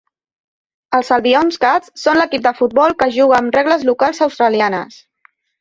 Els "Albion cats" són l'equip de futbol que juga amb regles locals australianes.